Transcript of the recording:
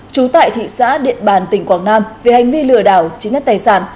trú tại thị xã điện bàn tỉnh quảng nam về hành vi lừa đảo chiếm đất tài sản